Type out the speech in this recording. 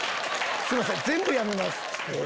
すいません全部やめます」っつって。